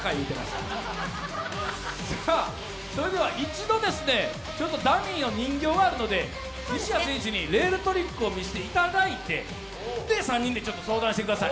一度、ダミーの人形があるので西矢選手にレールトリックを見せていただいて、３人で相談してください。